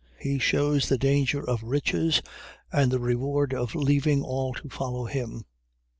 He shews the danger of riches, and the reward of leaving all to follow him.